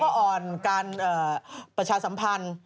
ก็อ่อนการประชาสัมพันธ์